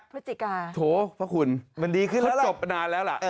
พฤศจิกาโถพระคุณเขาจบนานแล้วล่ะ